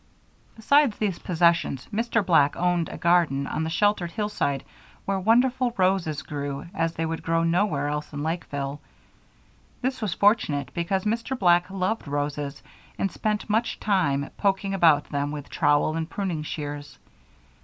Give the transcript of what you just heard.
Besides these possessions, Mr. Black owned a garden on the sheltered hillside where wonderful roses grew as they would grow nowhere else in Lakeville. This was fortunate because Mr. Black loved roses, and spent much time poking about among them with trowel and pruning shears.